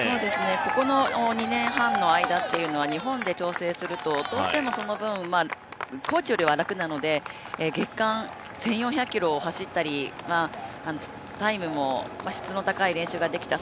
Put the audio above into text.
ここの２年半の間というのは日本で調整すると、どうしてもその分、高地よりは楽なので月間１４００ｋｍを走ったりタイムも質の高い練習ができた。